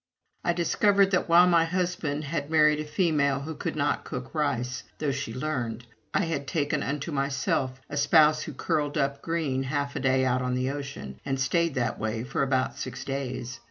I discovered that, while my husband had married a female who could not cook rice (though she learned), I had taken unto myself a spouse who curled up green half a day out on the ocean, and stayed that way for about six days.